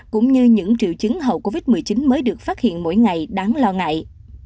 cũng như những triệu chứng hậu covid một mươi chín mới được phát hiện mỗi ngày đáng lo ngại